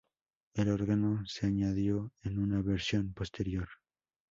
El órgano se añadió en una versión posterior.